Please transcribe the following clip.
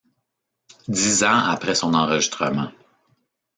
Dix ans après son enregistrement.